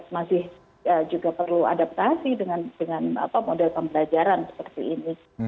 masih juga perlu adaptasi dengan model pembelajaran seperti ini